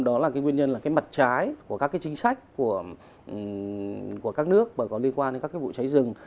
đó là nguyên nhân mặt trái của các chính sách của các nước liên quan đến các vụ cháy rừng